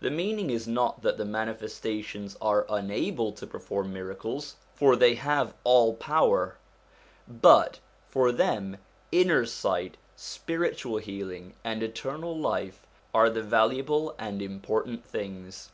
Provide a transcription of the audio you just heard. The meaning is not that the Manifestations are unable to perform miracles, for they have all power. But for them inner sight, spiritual healing, and eternal life are the valuable and important things.